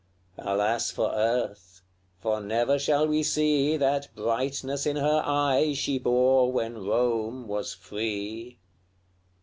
Alas for Earth, for never shall we see That brightness in her eye she bore when Rome was free!